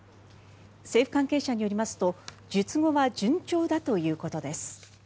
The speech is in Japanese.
政府関係者によりますと術後は順調だということです。